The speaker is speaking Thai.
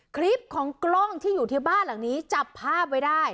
คลิปของกล้องที่อยู่ที่บ้านหลังนี้จับภาพไว้ได้